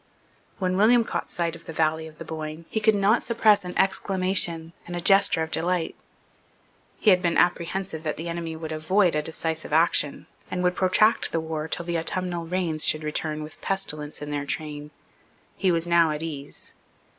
When William caught sight of the valley of the Boyne, he could not suppress an exclamation and a gesture of delight. He had been apprehensive that the enemy would avoid a decisive action, and would protract the war till the autumnal rains should return with pestilence in their train. He was now at ease.